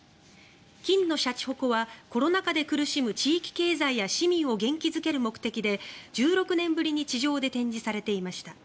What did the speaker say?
金のしゃちほこはコロナで苦しむ地域経済や市民を元気付ける目的で１６年ぶりに地上で展示されていました。